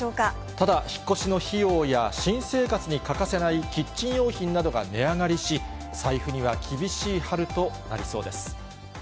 ただ、引っ越しの費用や、新生活に欠かせないキッチン用品などが値上がりし、財布には厳しい春となりそうです。